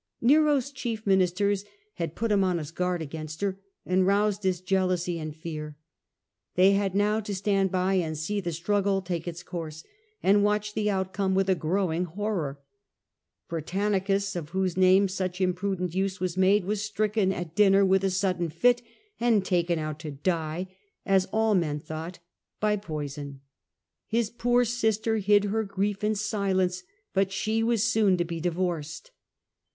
Nero's chief ministers had put him on his guard against her and roused his jealousy and fear. They had now to was carried Stand by and see the struggle take its course, by him to and watch the outcome with a growing horror. Britannicus, of whose name such imprudent use was made, was stricken at dinner with a sudden fit and taken out to die, as all men thought, by Treatment of sister hid her grief in silence, Britannicus blit slic was soon to be divorccd.